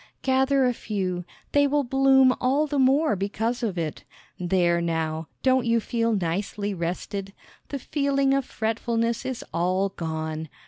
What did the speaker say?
Gather a few; they will bloom all the more because of it. There, now, don't you feel nicely rested? The feeling of fretfulness is all gone.